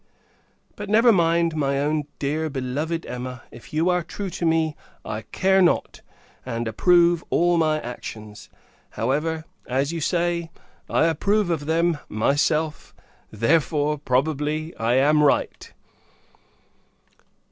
But, never mind, my own dear beloved Emma: if you are true to me, I care not and approve of all my actions. However, as you say, I approve of them, myself; therefore, probably, I am right.